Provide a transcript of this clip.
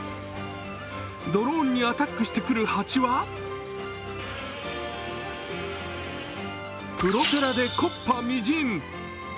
ドローンにアタックしてくる蜂はプロペラで木っ端みじん。